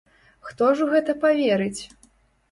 Хто ж у гэта паверыць?